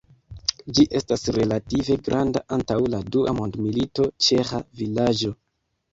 Ĝi estas relative granda, antaŭ la dua mondmilito ĉeĥa vilaĝo.